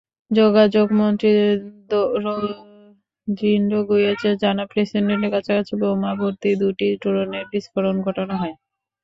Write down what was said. যোগাযোগমন্ত্রী Rodriguez জানান, প্রেসিডেন্টের কাছাকাছি বোমাভর্তি দুটি ড্রোনের বিস্ফোরণ ঘটানো হয়।